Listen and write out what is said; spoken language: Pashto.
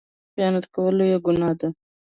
خیانت کول لویه ګناه ده